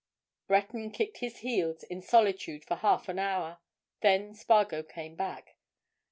Breton kicked his heels in solitude for half an hour. Then Spargo came back.